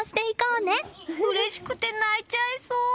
うれしくて泣いちゃいそう！